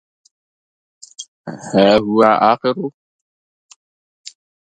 It affiliated to the Italian Union of Labour.